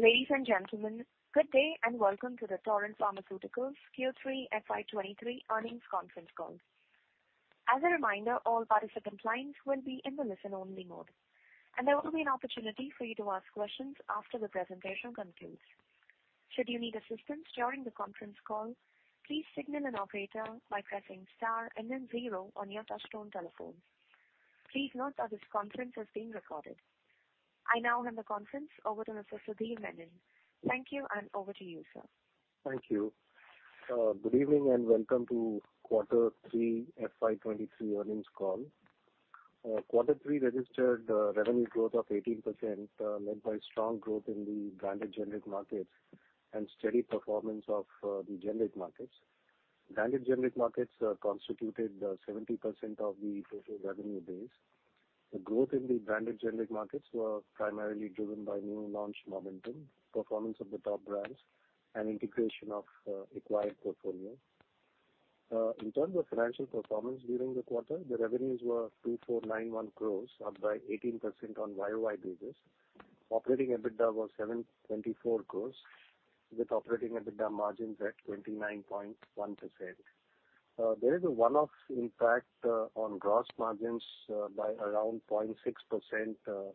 Ladies and gentlemen, good day and welcome to the Torrent Pharmaceuticals Q3 FY 2023 earnings conference call. As a reminder, all participant lines will be in the listen-only mode, and there will be an opportunity for you to ask questions after the presentation concludes. Should you need assistance during the conference call, please signal an operator by pressing star and then 0 on your touch-tone telephone. Please note that this conference is being recorded. I now hand the conference over to Mr. Sudhir Menon. Thank you, and over to you, sir. Thank you. Good evening and welcome to quarter three FY 2023 earnings call. Quarter three registered revenue growth of 18%, led by strong growth in the branded generic markets and steady performance of the generic markets. Branded generic markets constituted 70% of the total revenue base. The growth in the branded generic markets were primarily driven by new launch momentum, performance of the top brands and integration of acquired portfolio. In terms of financial performance during the quarter, the revenues were 2,491 crores, up by 18% on year-over-year basis. Operating EBITDA was 724 crores with operating EBITDA margins at 29.1%. There is a one-off impact on gross margins by around 0.6%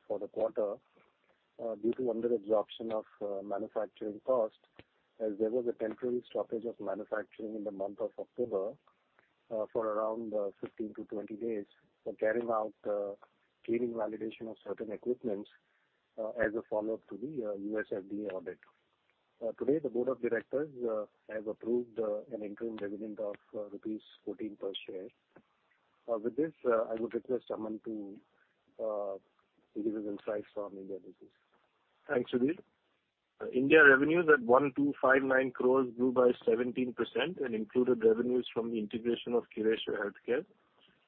for the quarter due to under absorption of manufacturing costs as there was a temporary stoppage of manufacturing in the month of October for around 15-20 days for carrying out cleaning validation of certain equipments as a follow-up to the US FDA audit. Today the board of directors has approved an interim dividend of rupees 14 per share. With this, I would request Aman to give you some insights from India business. Thanks, Sudhir. India revenues at 1,259 crores grew by 17% and included revenues from the integration of Curatio Healthcare.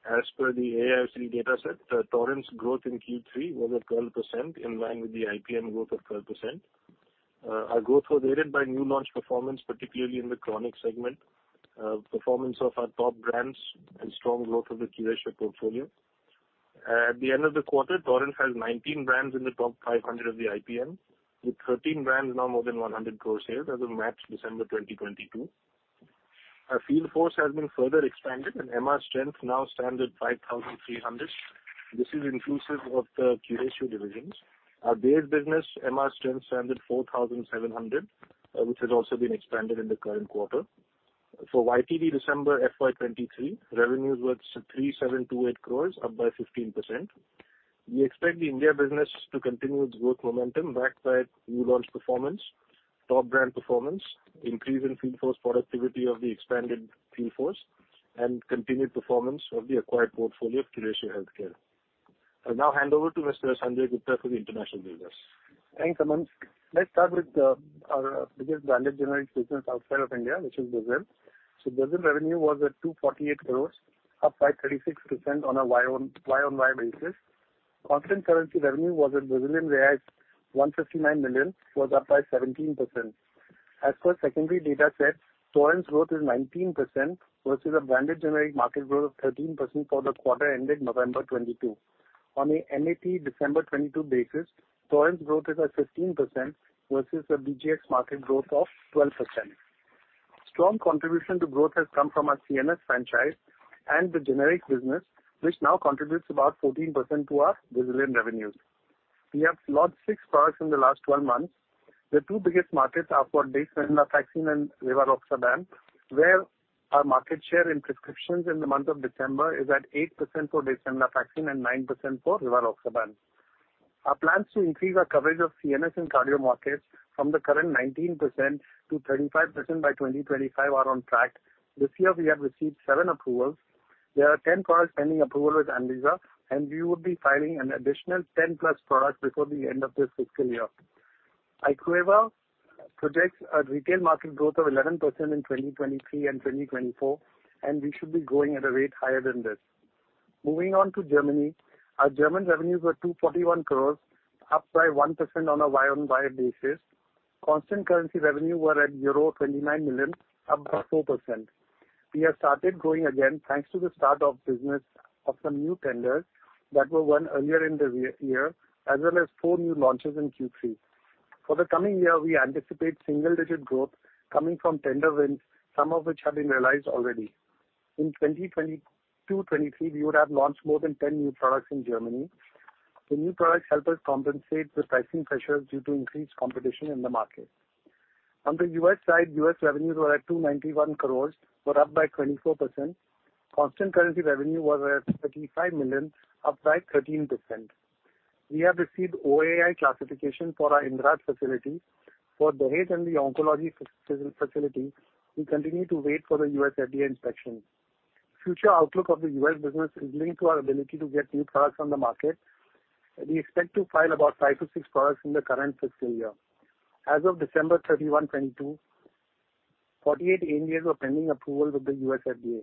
As per the AIOCD dataset, Torrent's growth in Q3 was at 12% in line with the IPM growth of 12%. Our growth was aided by new launch performance, particularly in the chronic segment, performance of our top brands and strong growth of the Curatio portfolio. At the end of the quarter, Torrent has 19 brands in the top 500 of the IPM, with 13 brands now more than 100 crore sales as of December 2022. Our field force has been further expanded, and MR strength now stands at 5,300. This is inclusive of the Curatio divisions. Our base business MR strength stands at 4,700, which has also been expanded in the current quarter. For YTD December FY 2023, revenues were 3,728 crore, up by 15%. We expect the India business to continue its growth momentum backed by new launch performance, top brand performance, increase in field force productivity of the expanded field force and continued performance of the acquired portfolio of Curatio Healthcare. I'll now hand over to Mr. Sanjay Gupta for the international business. Thanks, Aman. Let's start with our biggest branded generic business outside of India, which is Brazil. Brazil revenue was at 248 crores, up by 36% on a YOY basis. Constant currency revenue was at Brazilian reais 159 million, was up by 17%. As per secondary dataset, Torrent's growth is 19% versus a branded generic market growth of 13% for the quarter ending November 2022. On a NAP December 2022 basis, Torrent's growth is at 15% versus a BGX market growth of 12%. Strong contribution to growth has come from our CNS franchise and the generic business, which now contributes about 14% to our Brazilian revenues. We have launched six products in the last 12 months. The two biggest markets are for desvenlafaxine and rivaroxaban, where our market share in prescriptions in the month of December is at 8% for desvenlafaxine and 9% for rivaroxaban. Our plans to increase our coverage of CNS in cardio markets from the current 19% to 25% by 2025 are on track. This year we have received seven approvals. There are 10 products pending approval with Anvisa, and we would be filing an additional 10+ products before the end of this fiscal year. IQVIA projects a retail market growth of 11% in 2023 and 2024, and we should be growing at a rate higher than this. Moving on to Germany. Our German revenues were 241 crores, up by 1% on a YOY basis. Constant currency revenue were at euro 29 million, up by 4%. We have started growing again, thanks to the start of business of some new tenders that were won earlier in the year, as well as four new launches in Q3. For the coming year, we anticipate single-digit growth coming from tender wins, some of which have been realized already. In 2022-23, we would have launched more than 10 new products in Germany. The new products help us compensate the pricing pressures due to increased competition in the market. On the US side, US revenues were at 291 crores, were up by 24%. Constant currency revenue was at $55 million, up by 13%. We have received OAI classification for our Indrad facility. For Daand the Indrad facility, we continue to wait for the US FDA inspection. Future outlook of the US business is linked to our ability to get new products on the market. We expect to file about five to six products in the current fiscal year. As of December 31, 2022, 48 ANDAs are pending approval with the US FDA.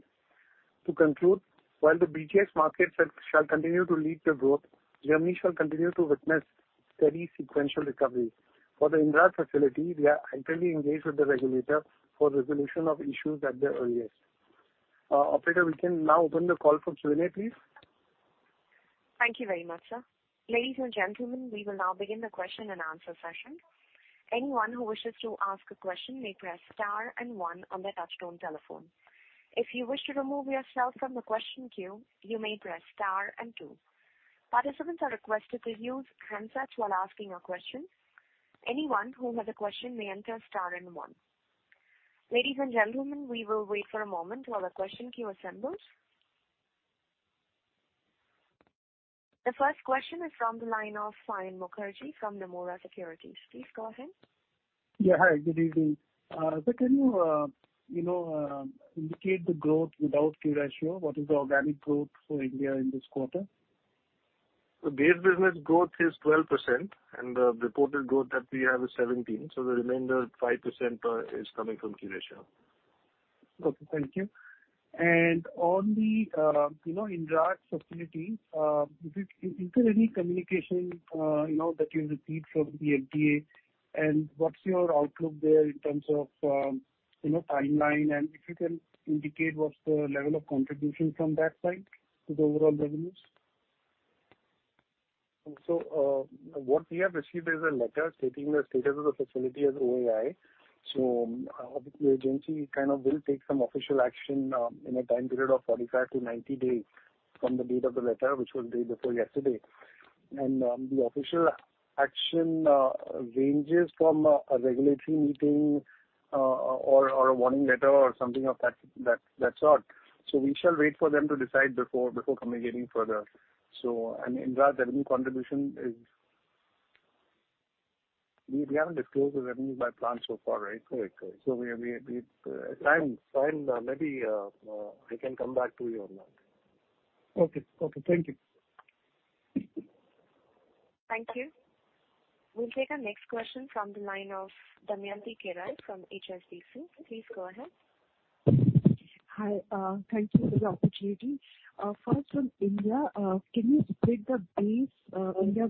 To conclude, while the BGX markets shall continue to lead the growth, Germany shall continue to witness steady sequential recovery. For the Indrad facility, we are actively engaged with the regulator for resolution of issues at their earliest. Operator, we can now open the call for Q&A please. Thank you very much, sir. Ladies and gentlemen, we will now begin the question and answer session. Anyone who wishes to ask a question may press star 1 on their touchtone telephone. If you wish to remove yourself from the question queue, you may press star 2. Participants are requested to use handsets while asking a question. Anyone who has a question may enter star 1. Ladies and gentlemen, we will wait for a moment while the question queue assembles. The first question is from the line of Saion Mukherjee from Nomura Securities. Please go ahead. Yeah, hi, good evening. Sir, can you know, indicate the growth without Curatio? What is the organic growth for India in this quarter? The base business growth is 12%, and the reported growth that we have is 17%, so the remainder 5% is coming from Curatio. Okay, thank you. On the, you know, Indrad facility, is there any communication, you know, that you received from the FDA? What's your outlook there in terms of, you know, timeline? If you can indicate what's the level of contribution from that side to the overall revenues. What we have received is a letter stating the status of the facility as OAI. The agency kind of will take some official action in a time period of 45-90 days from the date of the letter, which was day before yesterday. The official action ranges from a regulatory meeting or a warning letter or something of that sort. We shall wait for them to decide before committing further. An Indrad revenue contribution is... We haven't disclosed the revenue by plant so far, right? Correct. Correct. We, at time, maybe, I can come back to you on that. Okay. Okay. Thank you. Thank you. We'll take our next question from the line of Damayanti Kerai from HSBC. Please go ahead. Hi, thank you for the opportunity. First on India, can you split the base India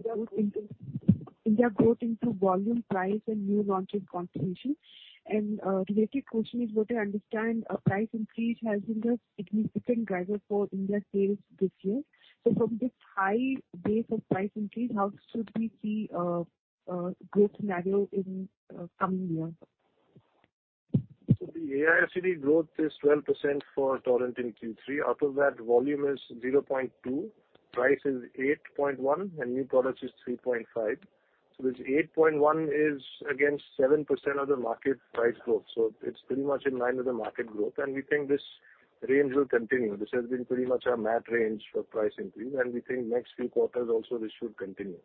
growth into volume, price and new launches contribution? Related question is what I understand a price increase has been the significant driver for India sales this year. From this high base of price increase, how should we see growth scenario in coming year? The AIOCD growth is 12% for Torrent in Q3. Out of that, volume is 0.2, price is 8.1 and new products is 3.5. This 8.1 is against 7% of the market price growth. It's pretty much in line with the market growth. We think this range will continue. This has been pretty much our MAT range for price increase. We think next few quarters also this should continue.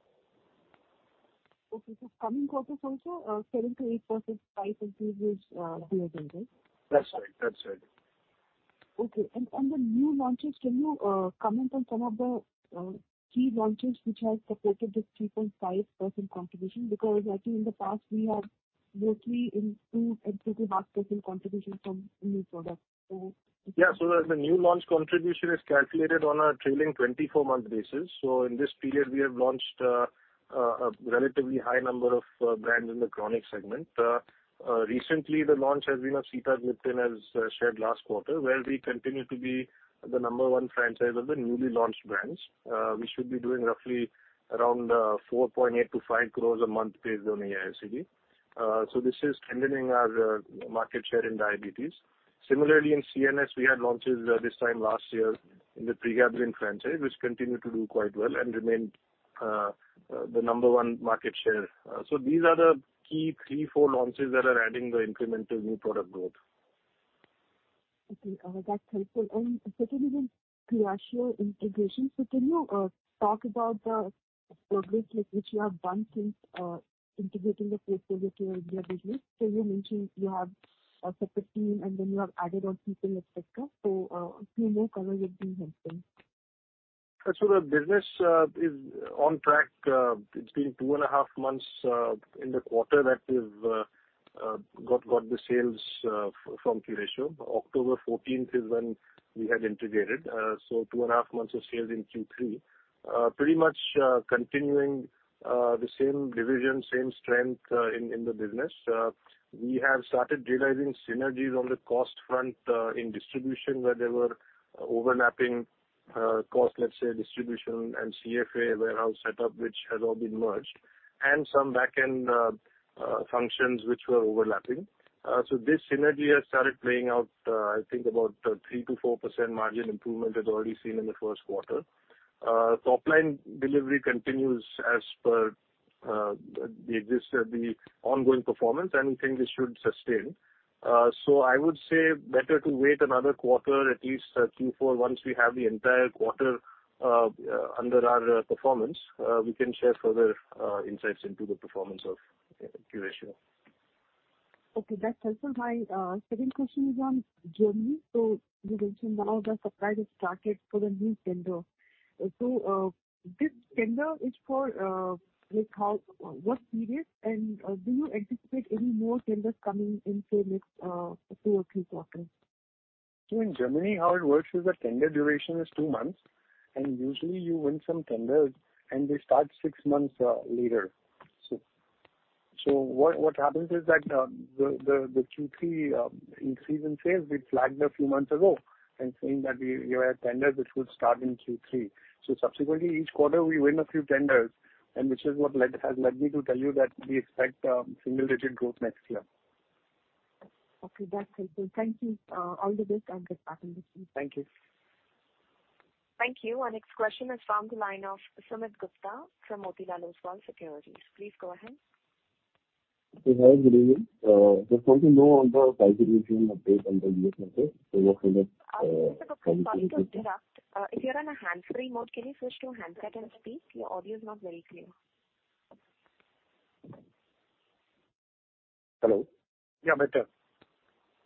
Okay. Coming quarters also, 7%-8% price increase is your range, right? That's right. That's right. Okay. On the new launches, can you comment on some of the key launches which have supported this 3.5% contribution? I think in the past we have roughly up to 2.5% contribution from new products. Yeah. The new launch contribution is calculated on a trailing 24-month basis. In this period we have launched a relatively high number of brands in the chronic segment. Recently the launch has been of Sitagliptin, as shared last quarter, where we continue to be the number 1 franchise of the newly launched brands. We should be doing roughly around 4.8-5 crores a month based on AIOCD. This is strengthening our market share in diabetes. Similarly, in CNS we had launches this time last year in the Pregabalin franchise, which continue to do quite well and remained the number 1 market share. These are the key three, four launches that are adding the incremental new product growth. Okay. That's helpful. Second is Curatio integration. Can you talk about the progress which you have done since integrating the portfolio to your India business? You mentioned you have a separate team and then you have added on people, et cetera. A few more color would be helpful. The business is on track. It's been two and a half months in the quarter that we've got the sales from Curatio. October 14th is when we had integrated. Two and a half months of sales in Q3. Pretty much continuing the same division, same strength in the business. We have started realizing synergies on the cost front in distribution where there were overlapping cost, let's say, distribution and CFA warehouse setup, which has all been merged, and some back-end functions which were overlapping. This synergy has started playing out. I think about 3% to 4% margin improvement is already seen in the first quarter. Top line delivery continues as per the ongoing performance. We think this should sustain. I would say better to wait another quarter at least, Q4, once we have the entire quarter under our performance, we can share further insights into the performance of Curatio. Okay. That's helpful. My second question is on Germany. You mentioned now the supply has started for the new tender. This tender is for, What period? Do you anticipate any more tenders coming in, say, next, two or three quarters? In Germany how it works is the tender duration is two months, and usually you win some tenders and they start six months later. What happens is that the Q3 increase in sales we flagged a few months ago and saying that we had tenders which would start in Q3. Subsequently, each quarter we win a few tenders and which is what has led me to tell you that we expect single digit growth next year. Okay, that's helpful. Thank you. All the best and get back in touch. Thank you. Thank you. Our next question is from the line of Sumit Gupta from Motilal Oswal Securities. Please go ahead. Hi, good evening. Just want to know on the price revision update on the U.S. markets. What kind of? Mr. Sumit, sorry to interrupt. If you're in a hands-free mode, can you switch to handset and speak? Your audio is not very clear. Hello? Yeah, better.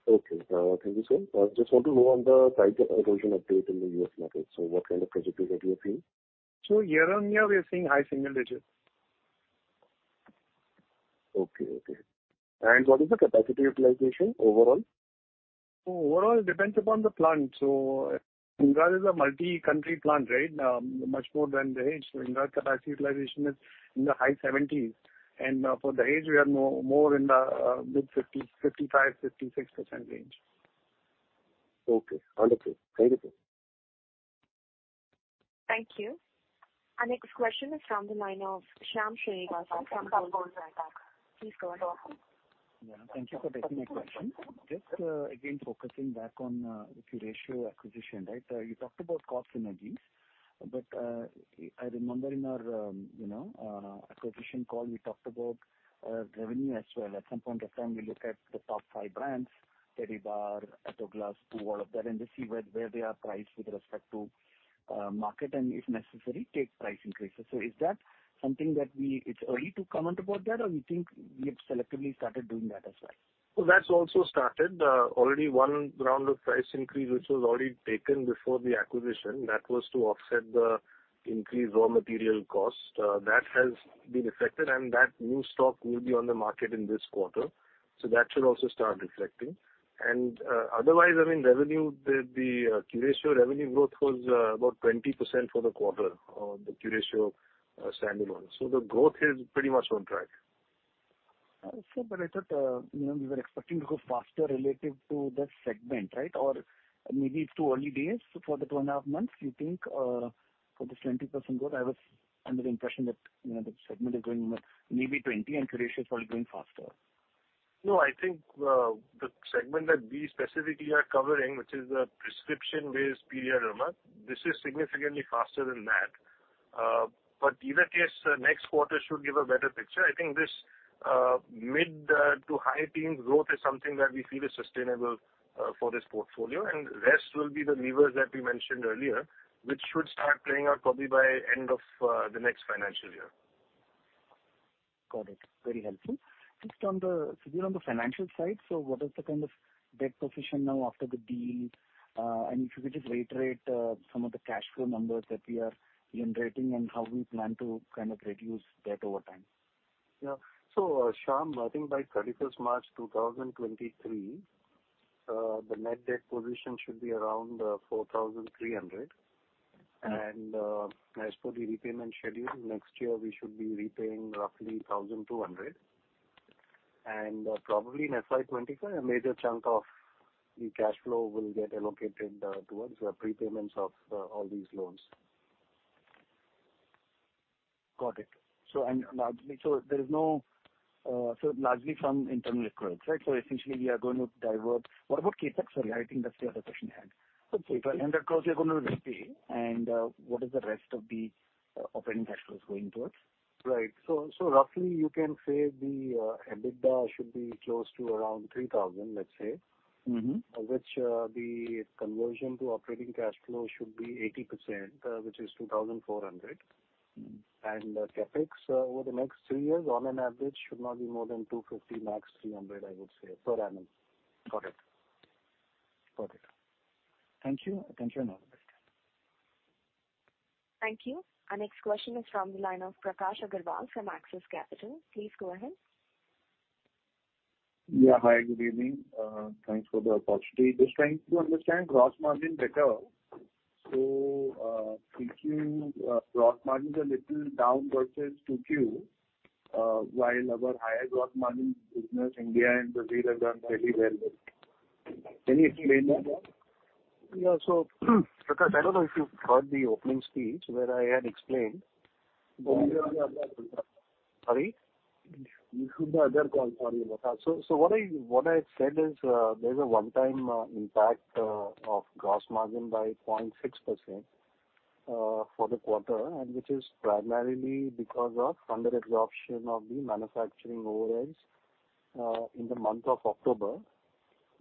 Okay. Thank you, sir. I just want to know on the price revision update in the U.S. markets. What kind of trajectory that you are seeing? Year-on-year, we are seeing high single digits. Okay. Okay. What is the capacity utilization overall? Overall, it depends upon the plant. Baddi is a multi-country plant, right? Much more than The Hague. Baddi capacity utilization is in the high 70s. For The Hague we are more in the mid-50s, 55, 56% range. Okay, wonderful. Thank you. Thank you. Our next question is from the line of Shyam Srinivasan from Goldman Sachs. Please go ahead. Yeah, thank you for taking my question. Just, again, focusing back on the Curatio acquisition, right? You talked about costs and synergies, but, I remember in our, you know, acquisition call, we talked about revenue as well. At some point of time, we look at the top five brands, Tedibar, Atogla, to all of that, and to see where they are priced with respect to market, and if necessary, take price increases. Is that something that we... It's early to comment about that, or we think we have selectively started doing that as well? That's also started. Already one round of price increase, which was already taken before the acquisition. That was to offset the increased raw material cost. That has been reflected, and that new stock will be on the market in this quarter, so that should also start reflecting. Otherwise, I mean, revenue, Curatio revenue growth was about 20% for the quarter, the Curatio standalone. The growth is pretty much on track. Sir, I thought, you know, we were expecting to go faster related to that segment, right? Maybe it's too early days for the two and a half months, you think, for this 20% growth? I was under the impression that, you know, the segment is growing maybe 20% and Curatio is probably growing faster. I think, the segment that we specifically are covering, which is the prescription-based PDL, this is significantly faster than that. Either case, next quarter should give a better picture. I think this, mid to high teens growth is something that we feel is sustainable, for this portfolio. Rest will be the levers that we mentioned earlier, which should start playing out probably by end of, the next financial year. Got it. Very helpful. We're on the financial side. What is the kind of debt position now after the deal? If you could just reiterate some of the cash flow numbers that we are generating and how we plan to kind of reduce debt over time. Yeah. Shyam, I think by 31st March 2023, the net debt position should be around, 4,300. Mm-hmm. As per the repayment schedule, next year we should be repaying roughly 1,200. Probably in FY 2025, a major chunk of the cash flow will get allocated towards the prepayments of all these loans. Got it. Largely some internal records, right? Essentially we are going to divert. What about CapEx? Sorry, I think that's the other question I had. Okay. Of course you're gonna repay. What is the rest of the operating cash flows going towards? Right. Roughly you can say the EBITDA should be close to around 3,000, let's say. Mm-hmm. Which, the conversion to operating cash flow should be 80%, which is 2,400. Mm-hmm. CapEx over the next three years on an average should not be more than 250, max 300, I would say, per annum. Got it. Thank you. Have a good day. Thank you. Our next question is from the line of Prakash Agarwal from Axis Capital. Please go ahead. Hi, good evening. Thanks for the opportunity. Just trying to understand gross margin better. Q2 gross margin is a little down versus 2Q, while our higher gross margin business, India and Brazil, have done really well. Can you explain that? Prakash, I don't know if you've heard the opening speech where I had explained. Sorry. What I said is, there's a one-time impact of gross margin by 0.6% for the quarter, and which is primarily because of under absorption of the manufacturing overheads in the month of October.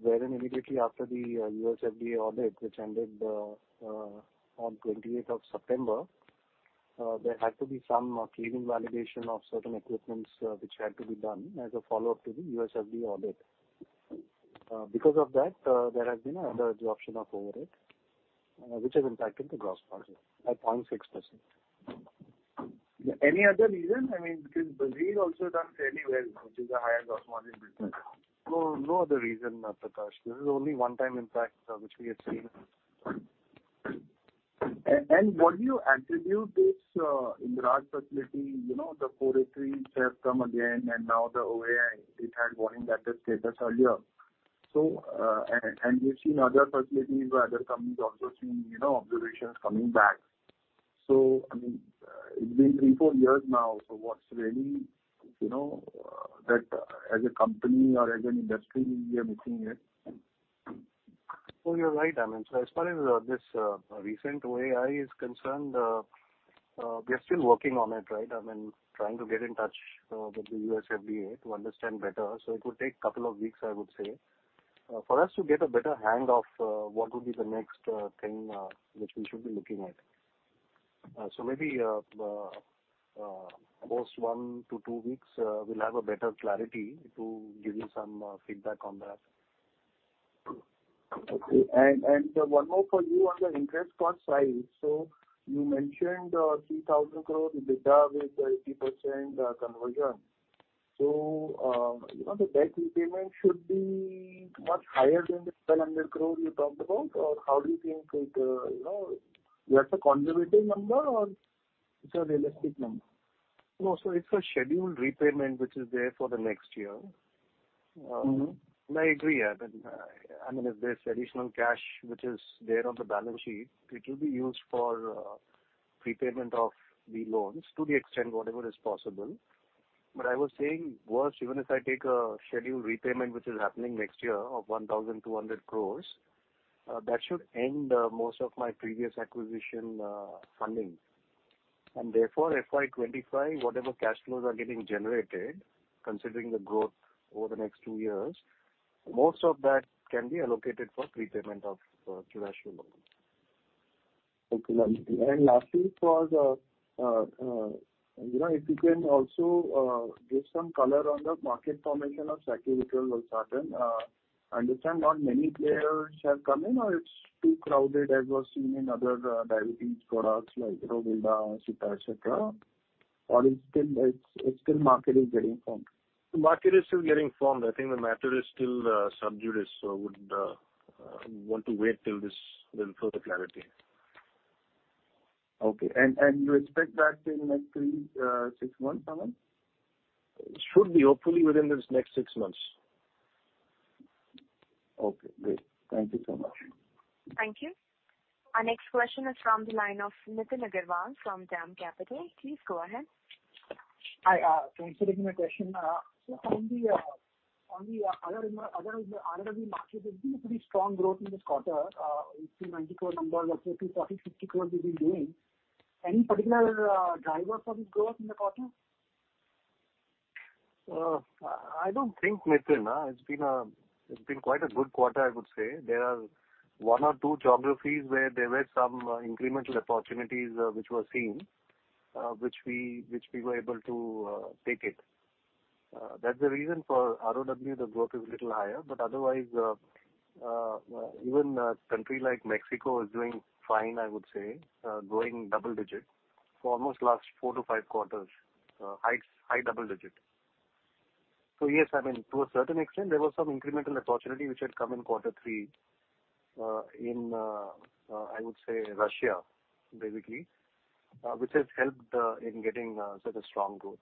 Wherein immediately after the USFDA audit, which ended on 28th of September, there had to be some cleaning validation of certain equipments, which had to be done as a follow-up to the USFDA audit. Because of that, there has been a under absorption of overhead, which has impacted the gross margin by 0.6%. Any other reason? I mean, because Brazil also done fairly well, which is a higher gross margin business. No, no other reason, Prakash. This is only one time impact, which we have seen. What do you attribute this Indrad facility, you know, the 483 has come again and now the OAI, it had warning letter status earlier. So, and we've seen other facilities where other companies also seeing, you know, observations coming back. I mean, it's been three, four years now. What's really, you know, that as a company or as an industry, we are missing it. You're right, Aman. As far as this recent OAI is concerned, we are still working on it, right? I mean, trying to get in touch with the US FDA to understand better. It will take couple of weeks, I would say, for us to get a better hang of what would be the next thing which we should be looking at. Maybe, post one to two weeks, we'll have a better clarity to give you some feedback on that. Okay. And one more for you on the interest cost side. You mentioned 3,000 crores in debt with 80% conversion. you know, the debt repayment should be much higher than the 1,200 crores you talked about, or how do you think it, you know? That's a conservative number or it's a realistic number? It's a scheduled repayment which is there for the next year. I agree, yeah. I mean, if there's additional cash which is there on the balance sheet, it will be used for prepayment of the loans to the extent whatever is possible. I was saying was even if I take a scheduled repayment, which is happening next year of 1,200 crores, that should end most of my previous acquisition funding. Therefore, FY 2025, whatever cash flows are getting generated, considering the growth over the next two years, most of that can be allocated for prepayment of Curatio loans. Okay, thank you. Lastly for the, you know, if you can also give some color on the market formation of sacubitril valsartan. Understand not many players have come in, or it's too crowded as we're seeing in other diabetes products like Vilda, Sita, et cetera. Or still market is getting formed? The market is still getting formed. I think the matter is still sub judice, would want to wait till this little further clarity. Okay. You expect that in next three, six months? Should be. Hopefully within this next six months. Okay, great. Thank you so much. Thank you. Our next question is from the line of Nitin Agarwal from DAM Capital. Please go ahead. Hi, thanks for taking my question. On the other of the markets, there's been a pretty strong growth in this quarter, 290 crore or so 240-250 crore you've been doing. Any particular drivers for this growth in the quarter? I don't think, Nitin. It's been quite a good quarter, I would say. There are one or two geographies where there were some incremental opportunities which were seen which we were able to take it. That's the reason for ROW the growth is little higher. Otherwise, even a country like Mexico is doing fine, I would say, growing double digit for almost last four to five quarters. heights high double digit. Yes, I mean, to a certain extent, there was some incremental opportunity which had come in quarter three, in I would say Russia, basically, which has helped in getting such a strong growth.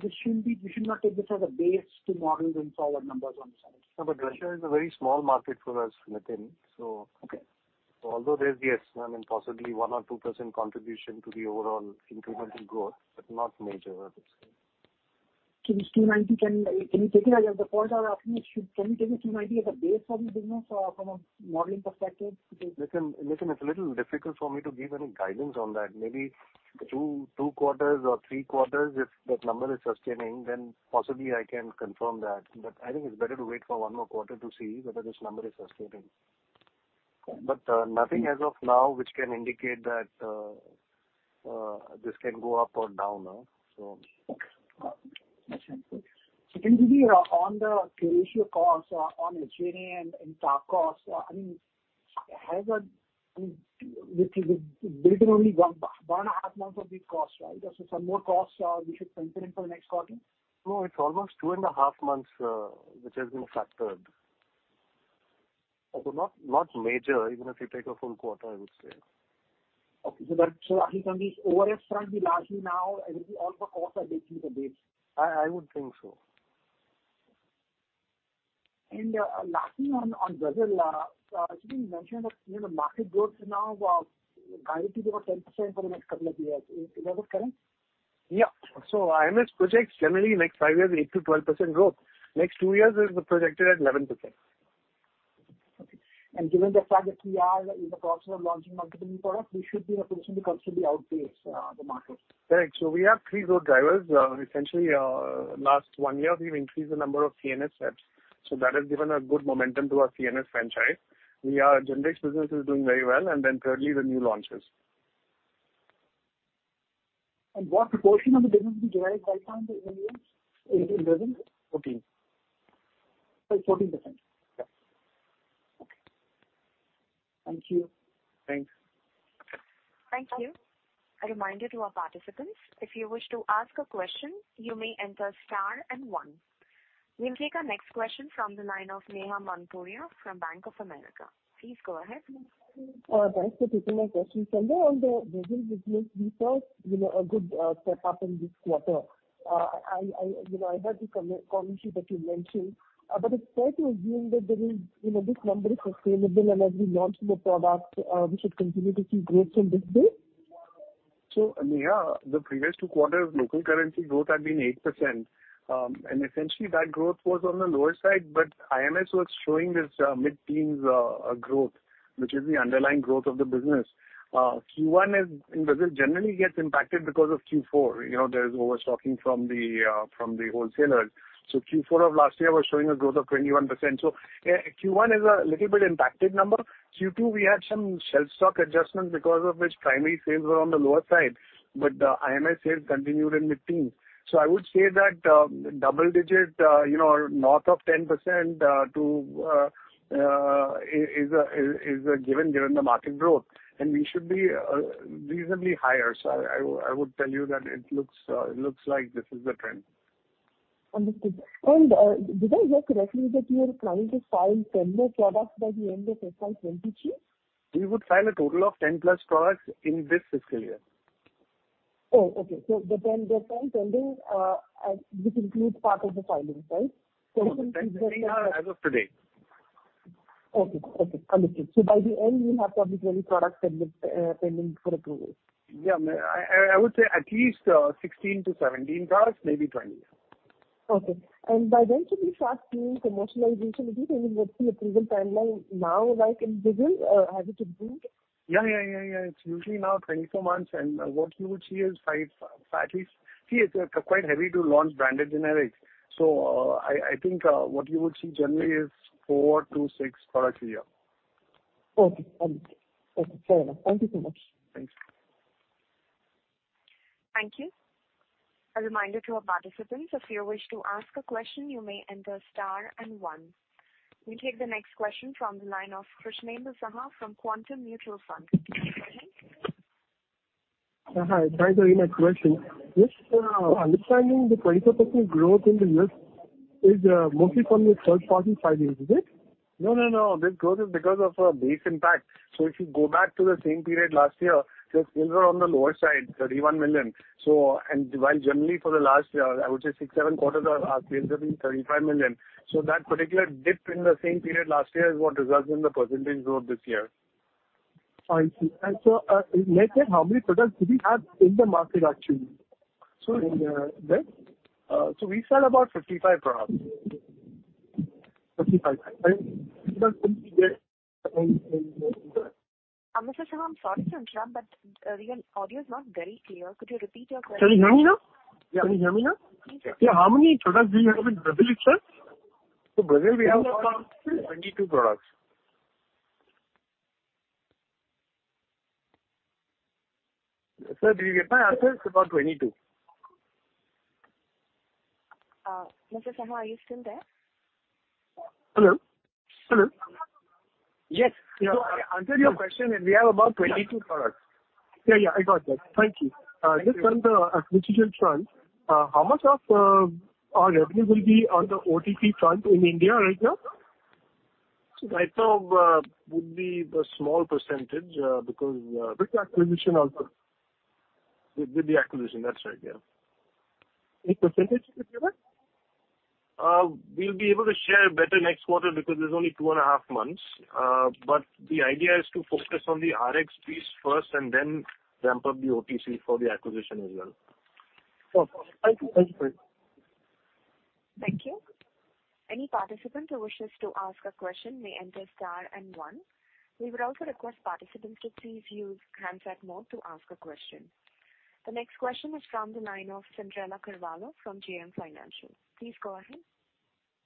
This shouldn't be... We should not take this as a base to model the solid numbers on the side. No, Russia is a very small market for us, Nitin. Okay. Although there's, yes, I mean, possibly 1% or 2% contribution to the overall incremental growth, but not major, I would say. Can this 290, can you take it as the calls are up, can you take the 290 as a base for the business or from a modeling perspective? Nitin, it's a little difficult for me to give any guidance on that. Maybe two quarters or three quarters, if that number is sustaining, then possibly I can confirm that. I think it's better to wait for one more quarter to see whether this number is sustaining. Okay. Nothing as of now which can indicate that this can go up or down now, so. Okay. Gotcha. Maybe on the Curatio costs, on H&A and staff costs, I mean, we've built in only one and a half months of these costs, right? Some more costs we should consider in for next quarter? No, it's almost two and a half months, which has been factored. Okay. Not major, even if you take a full quarter, I would say. Okay. Actually can this overfront be largely now and all the costs are basically the base? I would think so. Lastly on Brazil, it's been mentioned that, you know, the market growth now guided to about 10% for the next couple of years. Is that correct? Yeah. IMS projects generally next five years, 8%-12% growth. Next two years is projected at 11%. Okay. Given the fact that we are in the process of launching multiple new products, we should be in a position to constantly outpace the market. Correct. We have three growth drivers. Essentially, last one year, we've increased the number of CNS reps. That has given a good momentum to our CNS franchise. Genex business is doing very well. Thirdly, the new launches. What proportion of the business is derived right now from the new launch in Brazil? Fourteen. 14%? Yeah. Okay. Thank you. Thanks. Thank you. A reminder to our participants, if you wish to ask a question, you may enter star and one. We'll take our next question from the line of Neha Manpuria from Bank of America. Please go ahead. Thanks for taking my question. Sandhu, on the Brazil business, we saw, you know, a good, step-up in this quarter. I, you know, I heard the comment that you mentioned, but it's fair to assume that there is, you know, this number is sustainable and as we launch new products, we should continue to see growth in this space? Neha, the previous two quarters local currency growth had been 8%, and essentially that growth was on the lower side, but IMS was showing this mid-teens growth, which is the underlying growth of the business. Q1 is, in Brazil generally gets impacted because of Q4. You know, there's overstocking from the wholesalers. Q4 of last year was showing a growth of 21%. Yeah, Q1 is a little bit impacted number. Q2 we had some shelf stock adjustments because of which primary sales were on the lower side, but IMS sales continued in mid-teens. I would say that double digit, you know, north of 10%, to is given the market growth and we should be reasonably higher. I would tell you that it looks like this is the trend. Understood. Did I hear correctly that you are planning to file 10 more products by the end of fiscal 2022? We would file a total of 10 plus products in this fiscal year. Oh, okay. The 10 pending, this includes part of the filings, right? It includes. No, the 10 we have as of today. Okay. Okay. Understood. By the end you'll have probably 20 products pending for approval. Yeah. I would say at least 16 to 17 products, maybe 20. Okay. By when should we start seeing commercialization? Is it anywhere from approval timeline now like in Brazil? Has it improved? Yeah, yeah, yeah. It's usually now 24 months. What you would see is five, at least... It's quite heavy to launch branded generics. I think what you would see generally is 4-6 products a year. Okay. Understood. Okay. Fair enough. Thank you so much. Thanks. Thank you. A reminder to our participants, if you wish to ask a question, you may enter star and one. We take the next question from the line of Krishnendu Saha from Quantum Mutual Fund. Please go ahead. Hi. Thanks for taking my question. Just understanding the 24% growth in the U.S. is mostly from the third party filings, is it? No, no. This growth is because of base impact. If you go back to the same period last year, the sales were on the lower side, $31 million. While generally for the last year, I would say six, seven quarters our sales have been $35 million. That particular dip in the same period last year is what results in the percentage growth this year. I see. May I know how many products do we have in the market actually? In that, so we sell about 55 products. 55. products in the- Mr. Saha, I'm sorry to interrupt, but your audio is not very clear. Could you repeat your question? Can you hear me now? Yes. Can you hear me now? Yes, sir. How many products do you have in Brazil itself? In Brazil we have about 22 products. Sir, did you get my answer? It's about 22. Mr. Saha, are you still there? Hello? Hello? Yes. I answered your question and we have about 22 products. Yeah, yeah, I got that. Thank you. Thank you. Just on the digital front, how much of our revenue will be on the OTC front in India right now? Right now, would be a small percentage, because. With the acquisition also. With the acquisition, that's right. Yeah. Any percentage you could give us? We'll be able to share better next quarter because there's only two and a half months. The idea is to focus on the Rx piece first and then ramp up the OTC for the acquisition as well. Okay. Thank you. Thank you for it. Thank you. Any participant who wishes to ask a question may enter star and one. We would also request participants to please use handset mode to ask a question. The next question is from the line of Cyndrella Carvalho from JM Financial. Please go ahead.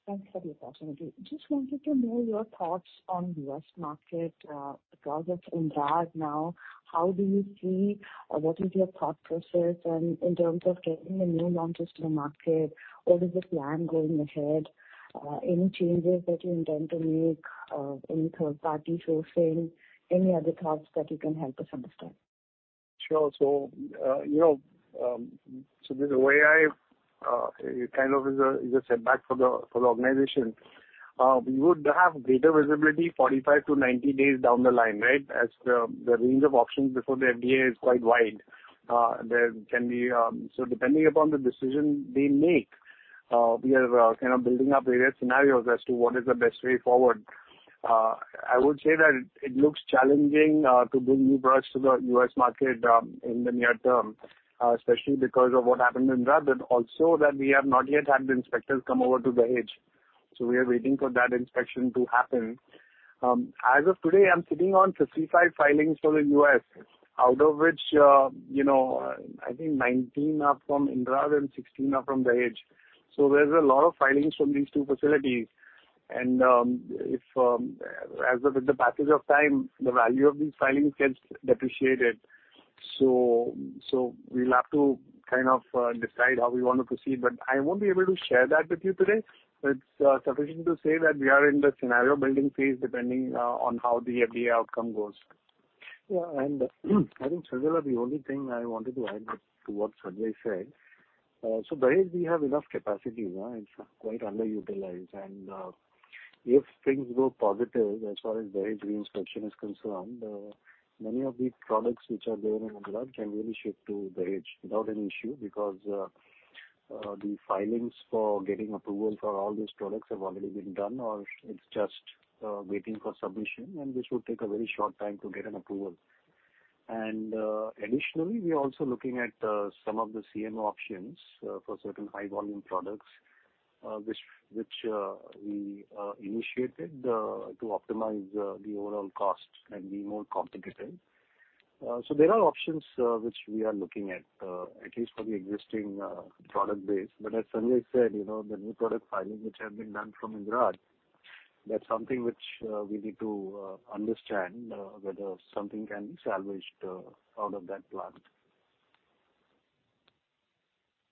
Thanks for the opportunity. Just wanted to know your thoughts on US market, because of Indrad now. How do you see or what is your thought process and in terms of getting a new launch into the market, what is the plan going ahead? Any changes that you intend to make, any third party sourcing, any other thoughts that you can help us understand? Sure. you know, the way it kind of is a setback for the organization. We would have greater visibility 45-90 days down the line, right? As the range of options before the FDA is quite wide. Depending upon the decision they make, we are kind of building up various scenarios as to what is the best way forward. I would say that it looks challenging to bring new products to the U.S. market in the near term, especially because of what happened in Indrad, but also that we have not yet had the inspectors come over to Dahej. We are waiting for that inspection to happen. As of today, I'm sitting on 55 filings for the U.S., out of which, you know, I think 19 are from Indrad and 16 are from Dahej. There's a lot of filings from these two facilities. If, as with the passage of time, the value of these filings gets depreciated. We'll have to kind of decide how we want to proceed, but I won't be able to share that with you today. It's sufficient to say that we are in the scenario building phase depending on how the FDA outcome goes. I think, Cyndrella, the only thing I wanted to add to what Sanjay said, so Dahej, we have enough capacity now. It's quite underutilized. If things go positive as far as Behraj re-inspection is concerned, many of these products which are there in Indrad can really shift to Behraj without an issue because the filings for getting approval for all these products have already been done or it's just waiting for submission, and this would take a very short time to get an approval. Additionally, we are also looking at some of the CMO options for certain high volume products, which we initiated to optimize the overall cost and be more competitive. There are options which we are looking at at least for the existing product base. As Sanjay said, you know, the new product filings which have been done from Indrad, that's something which, we need to, understand, whether something can be salvaged, out of that plant.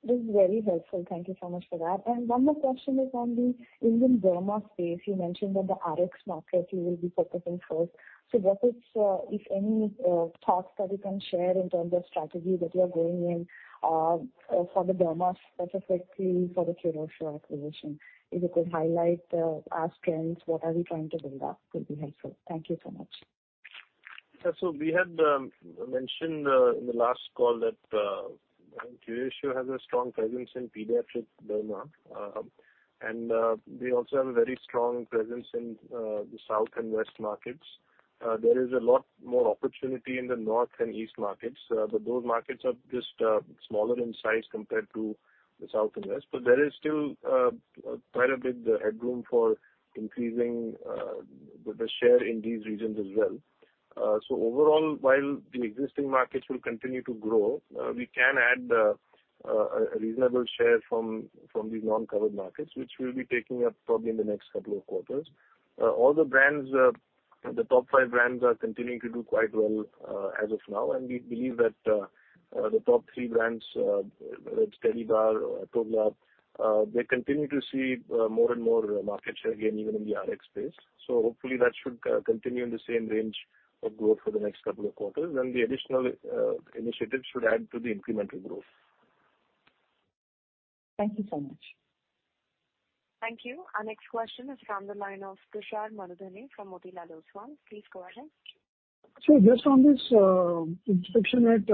This is very helpful. Thank you so much for that. One more question is on the Indian derma space. You mentioned that the Rx market you will be focusing first. What is, if any, thoughts that you can share in terms of strategy that you are going in, for the dermas, specifically for the Curatio acquisition? If you could highlight, our strengths, what are we trying to build up, will be helpful. Thank you so much. Yeah. We had mentioned in the last call that Curatio has a strong presence in pediatric derma. We also have a very strong presence in the south and west markets. There is a lot more opportunity in the north and east markets, but those markets are just smaller in size compared to the south and west. There is still quite a bit headroom for increasing the share in these regions as well. Overall, while the existing markets will continue to grow, we can add a reasonable share from the non-covered markets, which we'll be taking up probably in the next couple of quarters. All the brands, the top five brands are continuing to do quite well as of now. We believe that, the top three brands, whether it's Tedibar or Atogla, they continue to see more and more market share gain even in the Rx space. Hopefully that should continue in the same range of growth for the next couple of quarters. The additional initiatives should add to the incremental growth. Thank you so much. Thank you. Our next question is from the line of Tushar Manudhane from Motilal Oswal. Please go ahead. Just on this inspection at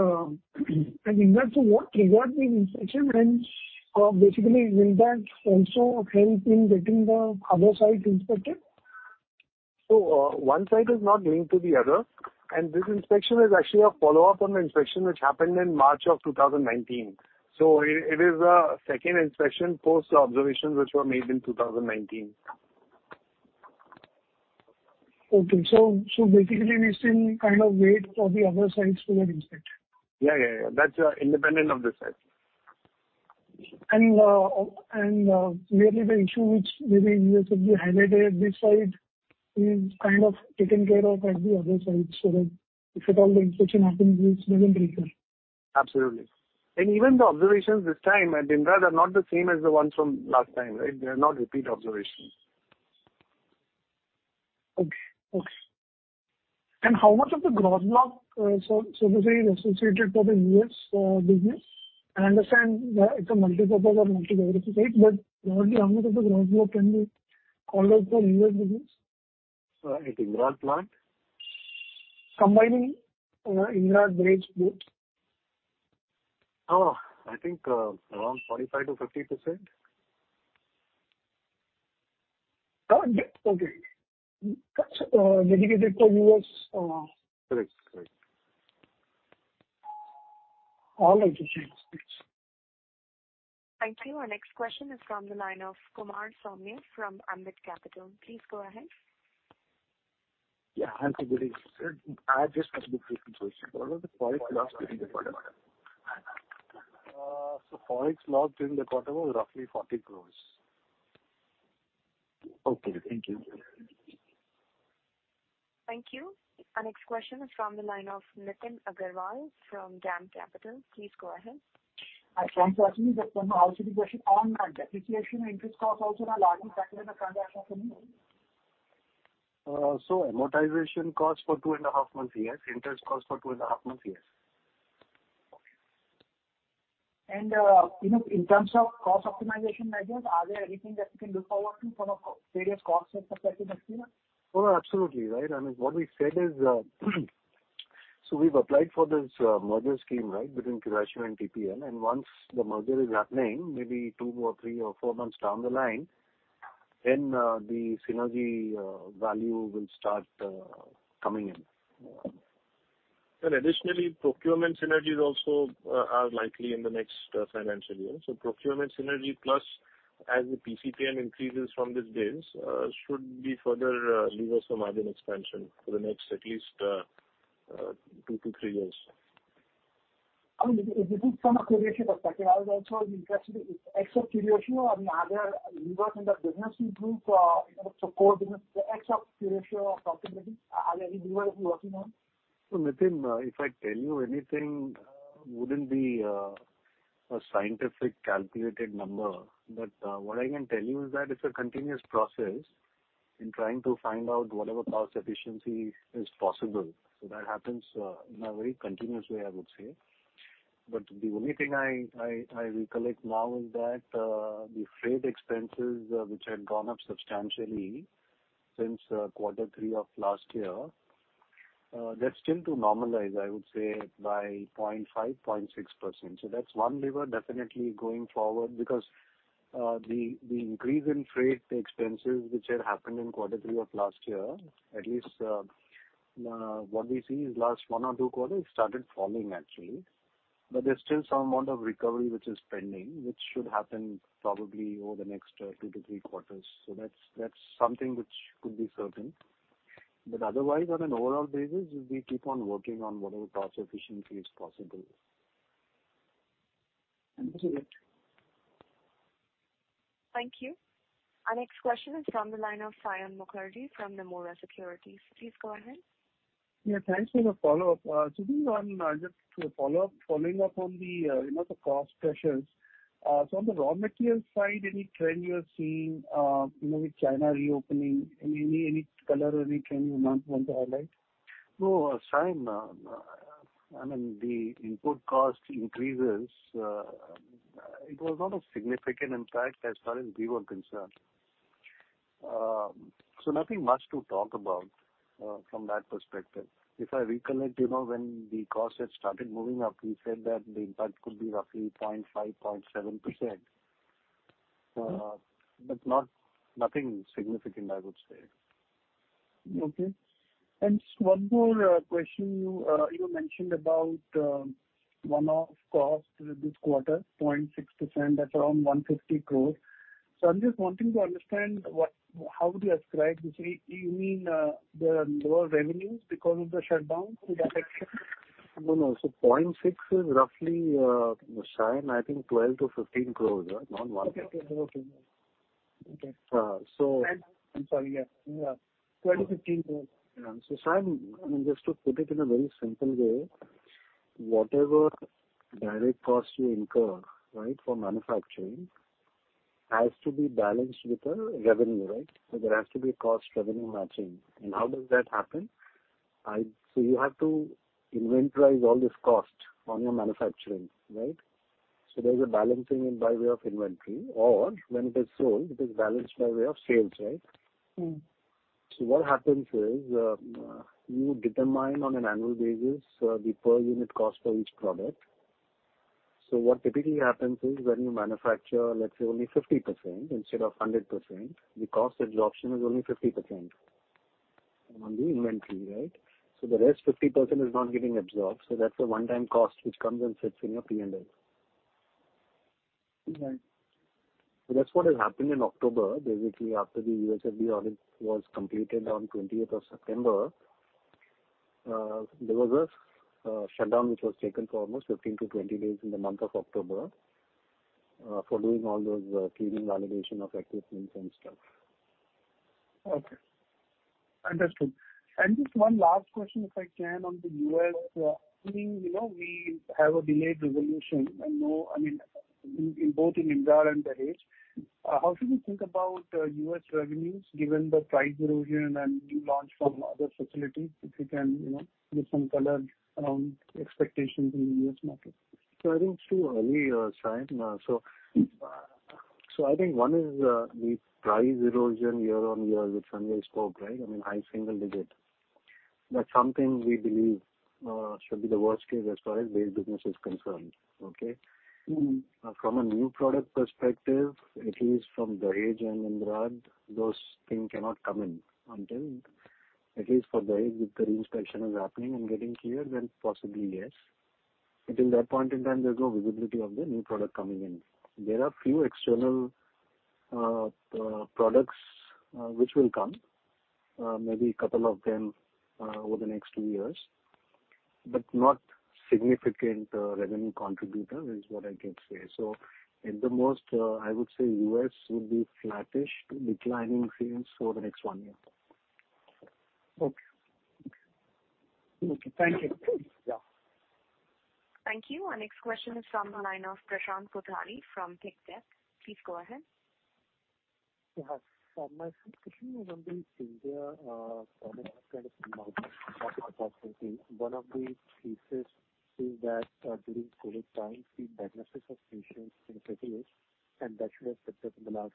Indrad. What triggered the inspection? Basically, will that also help in getting the other site inspected? One site is not linked to the other. This inspection is actually a follow-up on the inspection which happened in March of 2019. It is a second inspection post observations which were made in 2019. Okay. Basically we still kind of wait for the other sites to get inspected. Yeah, yeah. That's independent of this site. Maybe the issue which maybe you have highlighted this site is kind of taken care of at the other sites so that if at all the inspection happens, it doesn't recur. Absolutely. Even the observations this time at Indrad are not the same as the ones from last time, right? They're not repeat observations. Okay. Okay. How much of the growth block, so to say, is associated for the US business? I understand that it's a multi-purpose or multi-variety site, but roughly how much of the growth block can be called out for US business? At Indrad plant? Combining Indrad, Dahej, both. I think, around 45%-50%. Oh, okay. That's dedicated for U.S. Correct. Correct. All right. Thank you. Our next question is from the line of Kumar Saumya from Ambit Capital. Please go ahead. Yeah. Thank you. I just have two quick questions. What was the Forex loss during the quarter? Forex loss during the quarter was roughly 40 crores. Okay, thank you. Thank you. Our next question is from the line of Nitin Agarwal from DAM Capital. Please go ahead. Just one more OCD question. Question on that depreciation and interest costs also are largely factored in the transaction for me. Amortization costs for two and a half months, yes. Interest costs for two and a half months, yes. Okay. you know, in terms of cost optimization measures, are there anything that we can look forward to from a various cost sets perspective here? Absolutely right. I mean, what we said is, so we've applied for this merger scheme, right, between Curatio and TPL. Once the merger is happening, maybe two or three or four months down the line, then, the synergy value will start coming in. Additionally, procurement synergies also are likely in the next financial year. Procurement synergy plus as the PCPN increases from this base, should be further lever some margin expansion for the next, at least, two to three years. I mean, if it is from a Curatio perspective, I was also interested if except Curatio, I mean, are there levers in the business you improve, you know, support business except Curatio or profitability? Are there any levers you're working on? Nitin, if I tell you anything, wouldn't be a scientific calculated number. What I can tell you is that it's a continuous process in trying to find out whatever cost efficiency is possible. That happens in a very continuous way, I would say. The only thing I recollect now is that the freight expenses which had gone up substantially since quarter three of last year, they're still to normalize, I would say by 0.5%, 0.6%. That's one lever definitely going forward. The increase in freight expenses which had happened in quarter three of last year, at least, what we see is last one or two quarters started falling actually. There's still some amount of recovery which is pending, which should happen probably over the next two to three quarters. That's something which could be certain. Otherwise, on an overall basis, we keep on working on whatever cost efficiency is possible. Thank you. Thank you. Our next question is from the line of Saion Mukherjee from Nomura Securities. Please go ahead. Yeah, thanks. A follow-up. Sudhir, on following up on the, you know, the cost pressures. On the raw material side, any trend you are seeing, you know, with China reopening, any color or any trend you want to highlight? No, Saion, I mean, the input cost increases, it was not a significant impact as far as we were concerned. Nothing much to talk about from that perspective. If I recollect, you know, when the cost had started moving up, we said that the impact could be roughly 0.5%-0.7%. Not nothing significant, I would say. Okay. One more question? You mentioned about one-off cost this quarter, 0.6%. That's around 150 crores. I'm just wanting to understand how would you ascribe this? You mean the lower revenues because of the shutdown that affects it? No, no. 0.6 is roughly, Saion, I think 12-15 crores, not 1. Okay. Okay. Okay. Uh, so- I'm sorry. Yeah. Yeah. INR 12-15 crores. Yeah. Saion, I mean, just to put it in a very simple way, whatever direct costs you incur, right, for manufacturing has to be balanced with the revenue, right? There has to be a cost revenue matching. How does that happen? You have to inventorize all this cost on your manufacturing, right? There's a balancing in by way of inventory or when it is sold, it is balanced by way of sales, right? Mm-hmm. What happens is, you determine on an annual basis, the per unit cost for each product. What typically happens is when you manufacture, let's say only 50% instead of 100%, the cost absorption is only 50% on the inventory, right? The rest 50% is not getting absorbed. That's a one-time cost which comes and sits in your P&L. Okay. That's what has happened in October. Basically, after the US FDA audit was completed on 20th of September, there was a shutdown which was taken for almost 15-20 days in the month of October, for doing all those cleaning validation of equipments and stuff. Okay. Understood. Just one last question, if I can, on the U.S. I mean, you know, we have a delayed resolution. I mean, in both in Indrad and Dahej. How should we think about U.S. revenues given the price erosion and new launch from other facilities? If you can, you know, give some color around expectations in U.S. market. I think it's too early, Saion. I think one is the price erosion year-on-year, which Sanjay spoke, right? I mean, high single digit. That's something we believe should be the worst case as far as base business is concerned. Okay? Mm-hmm. From a new product perspective, at least from Dahej and Indrad, those things cannot come in until at least for Dahej, if the re-inspection is happening and getting cleared, then possibly, yes. Till that point in time, there's no visibility of the new product coming in. There are few external products which will come, maybe couple of them, over the next two years, but not significant revenue contributor is what I can say. At the most, I would say U.S. would be flattish to declining sales for the next one year. Okay. Okay. Thank you. Yeah. Thank you. Our next question is from the line of Prashant Kothari from Pictet. Please go ahead. Yeah. My first question is on the India, one of the thesis is that, during COVID time, the diagnosis of patients increased, and that should have picked up in the last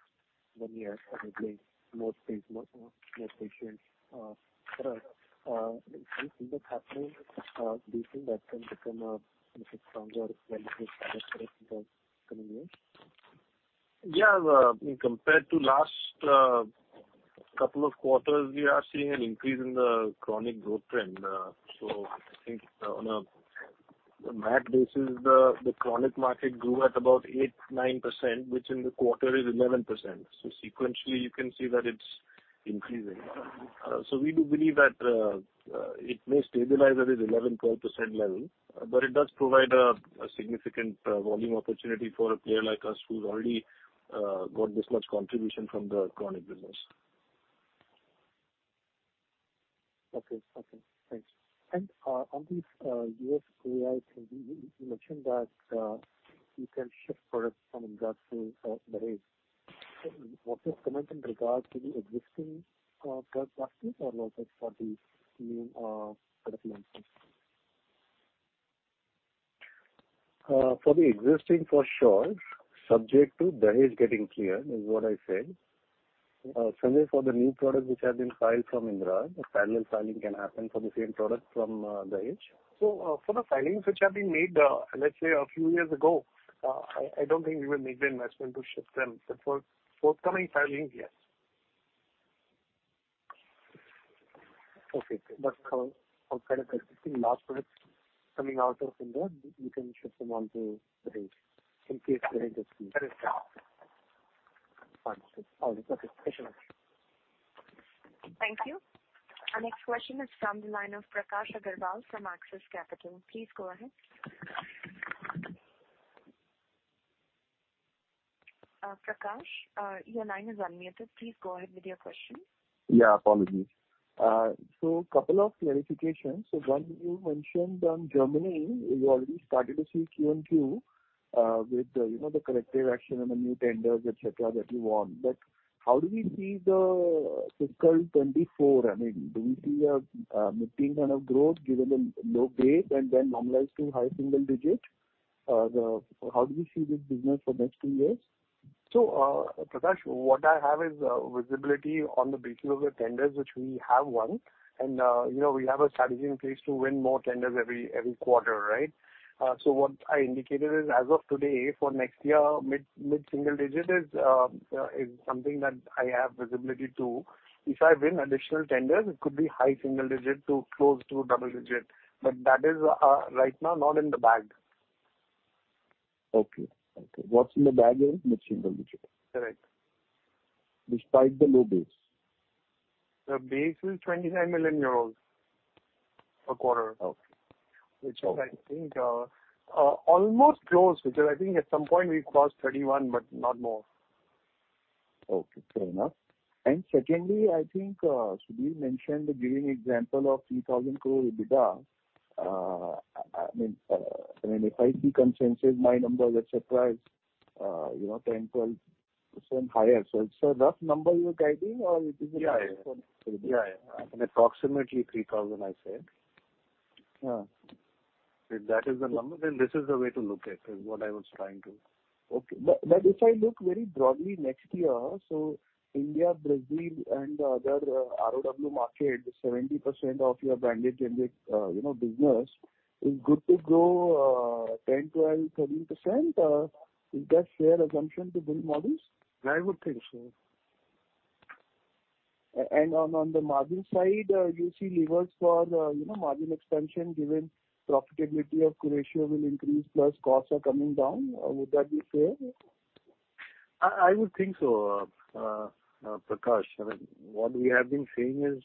one year, probably more space, more patients. Do you see that happening? Do you think that can become a, you know, stronger relative for us in the coming years? Yeah. Compared to last couple of quarters, we are seeing an increase in the chronic growth trend. I think on a MAC basis, the chronic market grew at about 8%-9%, which in the quarter is 11%. Sequentially, you can see that it's increasing. We do believe that it may stabilize at this 11%-12% level, but it does provide a significant volume opportunity for a player like us who's already got this much contribution from the chronic business. Okay. Okay. Thanks. On this, U.S. API thing, you mentioned that, you can shift products from Indrad to Dahej. Was this comment in regards to the existing drug classes or was it for the new product launches? For the existing for sure. Subject to Dahej getting clear is what I said. Same way for the new product which have been filed from Indrad. A parallel filing can happen for the same product from Dahej. For the filings which have been made, let's say a few years ago, I don't think we will make the investment to shift them. For forthcoming filings, yes. Okay. For existing large products coming out of Indrad, you can shift them onto Dahej in case Dahej is clear. That is correct. Understood. All good. Okay. Thank you so much. Thank you. Our next question is from the line of Prakash Agarwal from Axis Capital. Please go ahead. Prakash, your line is unmuted. Please go ahead with your question. Yeah. Apologies. couple of clarifications. One, you mentioned on Germany, you already started to see Q and Q, with, you know, the corrective action and the new tenders, et cetera, that you won. How do we see the fiscal 2024? I mean, do we see a mid-teen kind of growth given the low base and then normalize to high single digits? How do you see this business for next two years? Prakash, what I have is visibility on the basis of the tenders which we have won. And you know, we have a strategy in place to win more tenders every quarter, right? What I indicated is, as of today, for next year, mid single digit is something that I have visibility to. If I win additional tenders, it could be high single digit to close to double digit. But that is right now not in the bag. Okay. Okay. What's in the bag is mid-single digit? Correct. Despite the low base. The base is 29 million euros per quarter. Okay. Which is I think almost close. Which is I think at some point we crossed 31, but not more. Okay. Fair enough. Secondly, I think, Sudhir mentioned giving example of 3,000 crore EBITDA. I mean, if I deconsensuse my numbers, et cetera, it's, you know, 10%, 12% higher. It's a rough number you're guiding or it is a Yeah. Yeah. An approximately 3,000 I said. Yeah. If that is the number, then this is the way to look at it, what I was trying to... Okay. If I look very broadly next year, India, Brazil and other ROW markets, 70% of your branded generic, you know, business is good to grow, 10%, 12%, 13%. Is that fair assumption to build models? I would think so. On, on the margin side, you see levers for, you know, margin expansion given profitability of Curatio will increase, plus costs are coming down. Would that be fair? I would think so, Prakash. I mean, what we have been seeing is,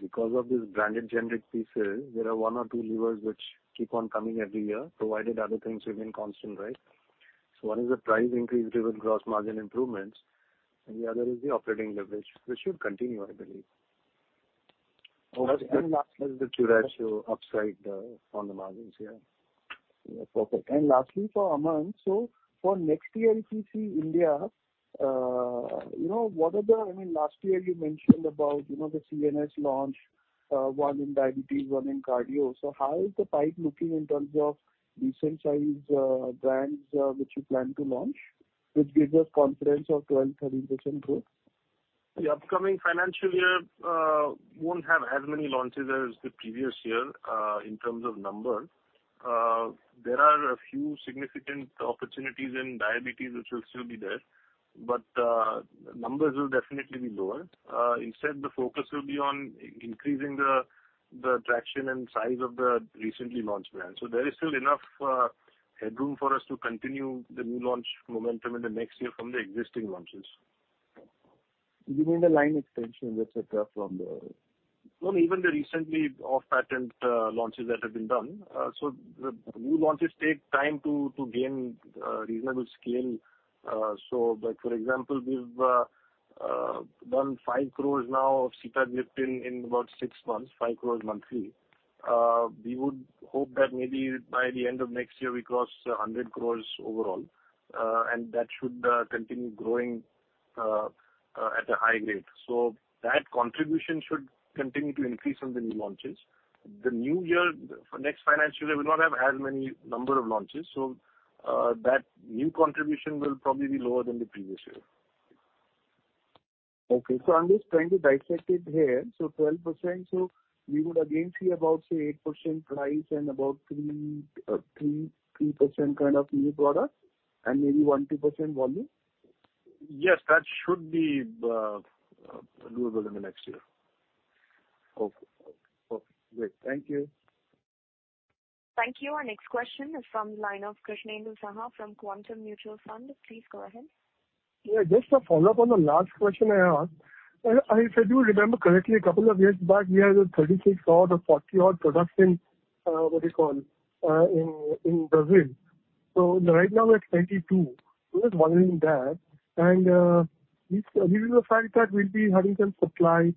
because of this branded generic pieces, there are one or two levers which keep on coming every year, provided other things remain constant, right? One is the price increase driven gross margin improvements, and the other is the operating leverage, which should continue, I believe. Okay. Plus the Curatio upside, on the margins, yeah. Yeah. Perfect. Lastly for Aman. For next year if you see India, you know, I mean, last year you mentioned about, you know, the CNS launch, one in diabetes, one in cardio. So how is the pipe looking in terms of decent sized brands which you plan to launch, which gives us confidence of 12%-13% growth? The upcoming financial year won't have as many launches as the previous year in terms of numbers. There are a few significant opportunities in diabetes which will still be there, but numbers will definitely be lower. Instead the focus will be on increasing the traction and size of the recently launched brands. There is still enough headroom for us to continue the new launch momentum in the next year from the existing launches. You mean the line extension, et cetera? No, even the recently off-patent launches that have been done. The new launches take time to gain reasonable scale. Like for example, we've done 5 crore now of sitagliptin in about six months, 5 crore monthly. We would hope that maybe by the end of next year we cross 100 crore overall. And that should continue growing at a high rate. That contribution should continue to increase on the new launches. The new year, next financial year, we will not have as many number of launches, that new contribution will probably be lower than the previous year. I'm just trying to dissect it here. 12%. We would again see about, say, 8% price and about 3% kind of new products and maybe 1%-2% volume. Yes. That should be doable in the next year. Okay. Okay. Great. Thank you. Thank you. Our next question is from line of Krishnendu Saha from Quantum Mutual Fund. Please go ahead. Just a follow-up on the last question I asked. If I do remember correctly, a couple of years back, we had a 36 odd or 40 odd products in, what do you call, in Brazil. Right now we're at 22. I was wondering that, this is the fact that we'll be having some supply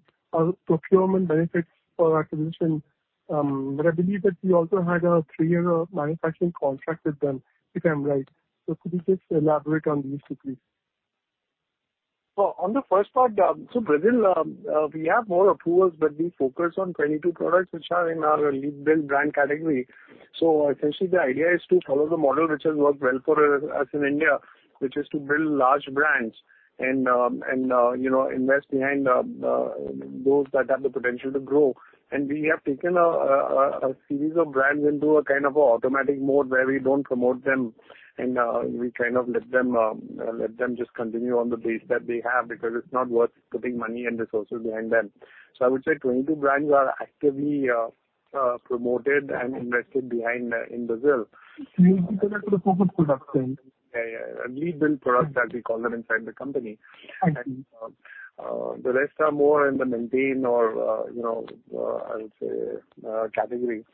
procurement benefits for acquisition. I believe that we also had a 3-year manufacturing contract with them, if I'm right. Could you just elaborate on these two, please? So on the first part, Brazil, we have more approvals, but we focus on 22 products which are in our lead build brand category. Essentially the idea is to follow the model which has worked well for us in India, which is to build large brands and invest behind those that have the potential to grow. And we have taken a series of brands into a kind of automatic mode where we don't promote them and we kind of let them just continue on the base that they have because it's not worth putting money and resources behind them. I would say 22 brands are actively promoted and invested behind in Brazil. These are the focus products then. Yeah. Lead build products as we call them inside the company. Thank you. The rest are more in the maintain or, you know, I would say, category.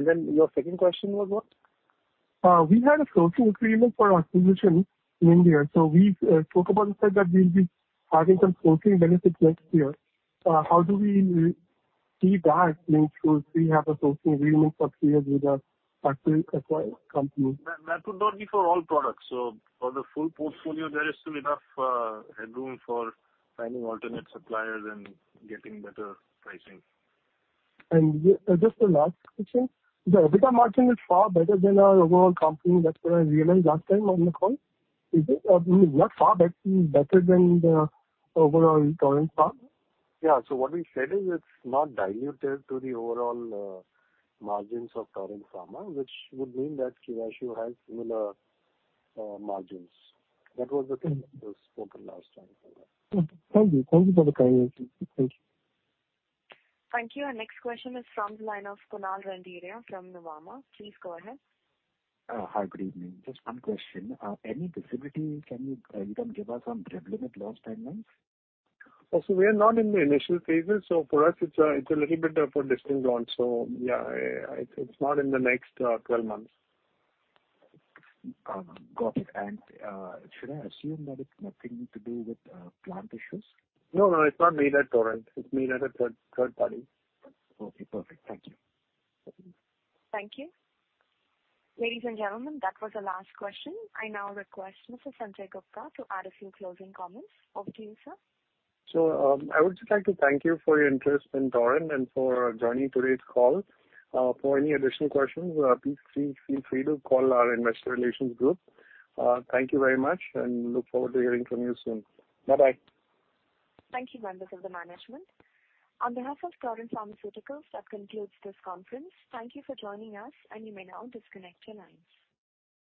Then your second question was what? We had a sourcing agreement for acquisition in India. We spoke about the fact that we'll be having some sourcing benefits next year. How do we see that link to we have a sourcing agreement for three years with a third-party company? That would not be for all products. For the full portfolio there is still enough headroom for finding alternate suppliers and getting better pricing. Just the last question. The EBITDA margin is far better than our overall company. That's what I realized last time on the call. Is it, I mean, not far better than the overall current part? Yeah. What we said is it's not diluted to the overall margins of Torrent Pharma, which would mean that Curatio has similar margins. That was the thing that was spoken last time. Thank you. Thank you for the clarification. Thank you. Thank you. Our next question is from the line of Kunal Randeria from Nuvama. Please go ahead. Hi, good evening. Just 1 question. Any visibility can you kind of give us on Revlimid launch timelines? We are not in the initial phases, for us it's a little bit of a distance on. Yeah, it's not in the next 12 months. Got it. Should I assume that it's nothing to do with plant issues? No, no, it's not made at Torrent. It's made at a third party. Okay, perfect. Thank you. Thank you. Ladies and gentlemen, that was the last question. I now request Mr. Sanjay Gupta to add a few closing comments. Over to you, sir. I would just like to thank you for your interest in Torrent and for joining today's call. For any additional questions, please feel free to call our investor relations group. Thank you very much and look forward to hearing from you soon. Bye-bye. Thank you, members of the management. On behalf of Torrent Pharmaceuticals, that concludes this conference. Thank you for joining us, and you may now disconnect your lines.